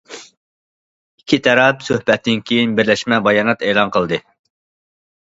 ئىككى تەرەپ سۆھبەتتىن كېيىن بىرلەشمە بايانات ئېلان قىلدى.